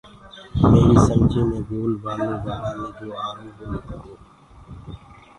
ميريٚ سمجيٚ مي گول بآلو بآرآ مي جو آرو وو مي لِکرو